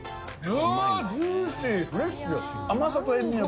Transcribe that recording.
うわー、ジューシー、フレッシュ。